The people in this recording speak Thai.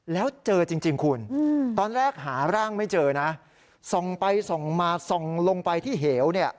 แล้วเจอจริงคุณตอนแรกหาร่างไม่เจอนะส่องไปส่องมาส่องลงไปที่เหวเนี่ย